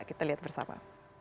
kita lihat bersama